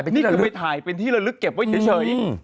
นี่คือไปถ่ายเป็นที่ละลึกเก็บไว้เฉย